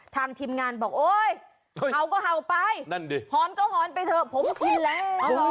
ทางทีมงานบอกเอ้ยห่าวก็ห่าวไปหอนก็หอนไปเถอะผมชินแล้ว